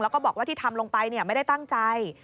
แล้วก็บอกว่าที่ทำลงไปไม่ได้ตั้งใจ